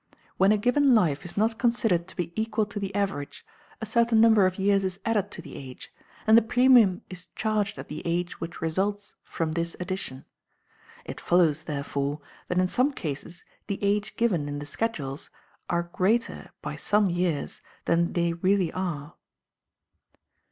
When a given life is not considered to be equal to the average, a certain number of years is added to the age, and the premium is charged at the age which results from this addition. It follows, therefore, that in some cases the age given in the schedules are greater by some years than they really are.